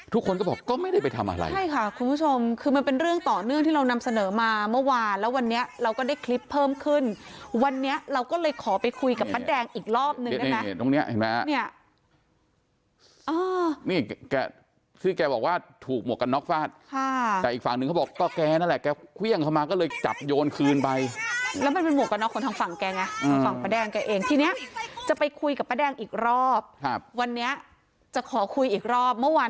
ทุกคนก็บอกก็ไม่ได้ไปทำอะไรใช่ค่ะคุณผู้ชมคือมันเป็นเรื่องต่อเนื่องที่เรานำเสนอมาเมื่อวานแล้ววันเนี้ยเราก็ได้คลิปเพิ่มขึ้นวันเนี้ยเราก็เลยขอไปคุยกับป้าแดงอีกรอบหนึ่งนะเนี้ยเนี้ยตรงเนี้ยเห็นไหมเนี้ยอ้าวนี่แกแกคือแกบอกว่าถูกหมวกกันนอกฟาดค่ะแต่อีกฝั่งหนึ่งเขาบอก